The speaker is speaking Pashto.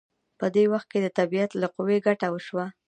په دې وخت کې د طبیعت له قوې ګټه وشوه.